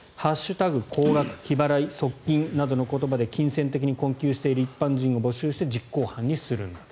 「＃高額、日払い、即金」などの言葉で金銭的に困窮している一般人を募集して、実行犯にするんだと。